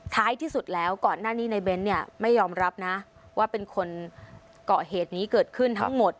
ท้ายที่สุดแล้วก่อนหน้านี้ในเบ้นเนี่ยไม่ยอมรับนะว่าเป็นคนเกาะเหตุนี้เกิดขึ้นทั้งหมด